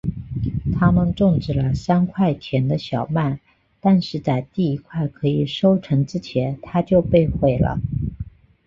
他们种植了三块田的小麦但是在第一块可以收成之前它就被毁了。